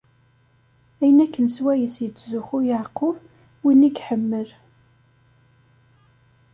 Ayen akken swayes yettzuxxu Yeɛqub, win i iḥemmel.